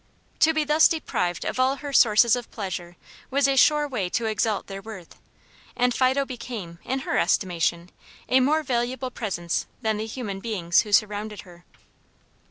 To be thus deprived of all her sources of pleasure was a sure way to exalt their worth, and Fido became, in her estimation, a more valuable presence than the human beings who surrounded her.